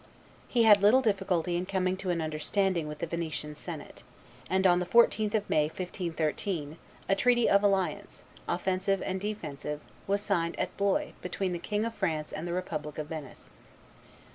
He had little difficulty in coming to an understanding with the Venetian senate; and, on the 14th of May, 1513, a treaty of alliance, offensive and defensive, was signed at Blois between the King of France and the republic of Venice.